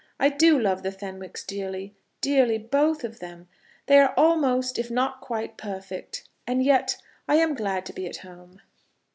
I do love the Fenwicks, dearly, dearly, both of them. They are almost, if not quite, perfect. And yet I am glad to be at home."